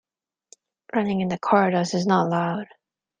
Running in the corridors is not allowed